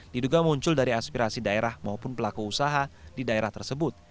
diduga muncul dari aspirasi daerah maupun pelaku usaha di daerah tersebut